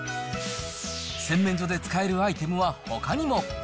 洗面所で使えるアイテムは、ほかにも。